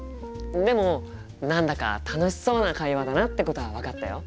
でも何だか楽しそうな会話だなってことは分かったよ。